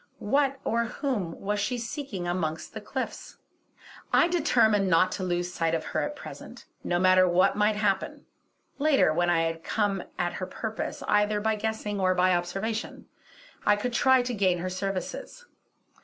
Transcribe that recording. What or whom was she seeking amongst the cliffs? I determined not to lose sight of her at present, no matter what might happen; later, when I had come at her purpose, either by guessing or by observation, I could try to gain her services.